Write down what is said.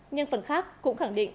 nhưng phần khác cũng khẳng định